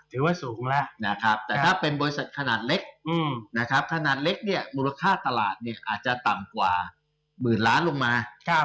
แต่ถ้าเป็นบริษัทขนาดเล็กมูลค่าตลาดอาจจะต่ำกว่า๑๐๐๐๐ล้านลงมา